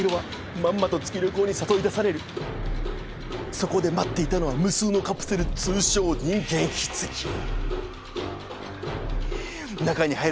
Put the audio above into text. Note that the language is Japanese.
そこで待っていたのは無数のカプセルするとお兄ちゃん！